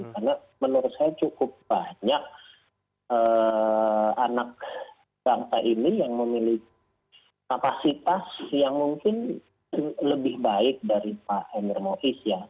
karena menurut saya cukup banyak anak bangsa ini yang memiliki kapasitas yang mungkin lebih baik dari pak emir mois